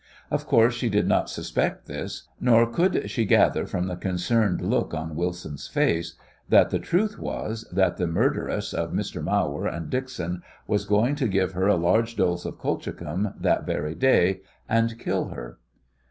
Of course she did not suspect this, nor could she gather from the concerned look on Wilson's face that the truth was that the murderess of Mr. Mawer and Dixon was going to give her a large dose of colchicum that very day and kill her.